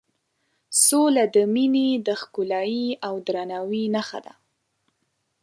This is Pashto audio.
سوله د مینې د ښکلایې او درناوي نښه ده.